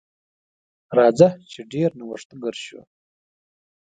راځه چې ډیر نوښتګر شو.